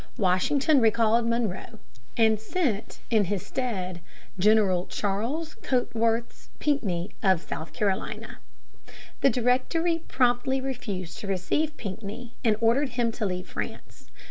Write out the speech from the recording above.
Washington recalled Monroe, and sent in his stead General Charles Cotesworth Pinckney of South Carolina. The Directory promptly refused to receive Pinckney, and ordered him to leave France.